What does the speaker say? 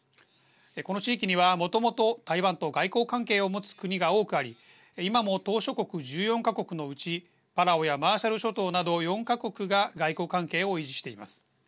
この地域には、もともと台湾と外交関係を持つ国が多くあり今も、島しょ国１４か国のうちパラオやマーシャル諸島など４か国が外交関係を維持しています。